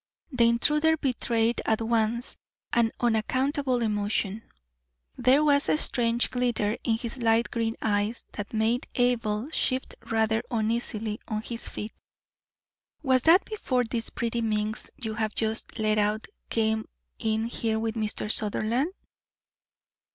The intruder betrayed at once an unaccountable emotion. There was a strange glitter in his light green eyes that made Abel shift rather uneasily on his feet. "Was that before this pretty minx you have just let out came in here with Mr. Sutherland?"